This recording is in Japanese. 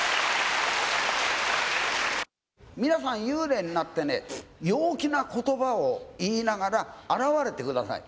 皆さん幽霊になってね、陽気な言葉を言いながら現れてください。